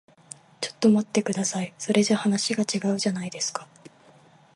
ちょっと待ってください。それじゃ話が違うじゃないですか。